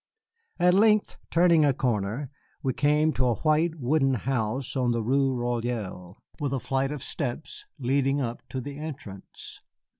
At length, turning a corner, we came to a white wooden house on the Rue Royale, with a flight of steps leading up to the entrance.